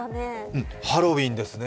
うん、ハロウィーンですね。